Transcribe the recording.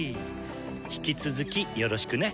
引き続きよろしくね！